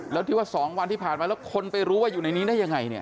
แล้วดิว่า๒วันที่ผ่านมาแล้วคนไปรู้ว่าอยู่ในนี้ได้อย่างไร